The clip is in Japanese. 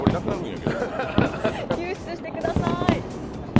救出してください。